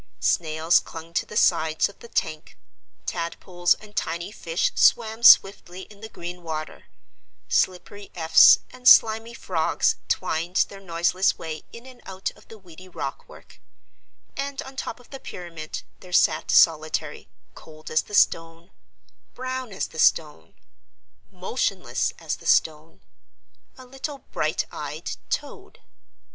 Snails clung to the sides of the tank; tadpoles and tiny fish swam swiftly in the green water, slippery efts and slimy frogs twined their noiseless way in and out of the weedy rock work; and on top of the pyramid there sat solitary, cold as the stone, brown as the stone, motionless as the stone, a little bright eyed toad.